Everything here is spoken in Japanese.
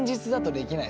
できない。